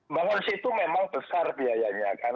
bangun situ memang besar biayanya kan